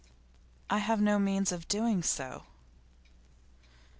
'I have no means of doing so.